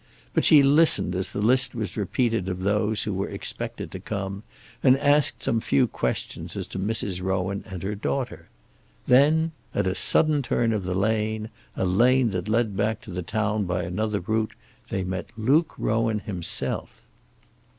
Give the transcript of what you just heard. But she listened as the list was repeated of those who were expected to come, and asked some few questions as to Mrs. Rowan and her daughter. Then, at a sudden turn of a lane, a lane that led back to the town by another route, they met Luke Rowan himself.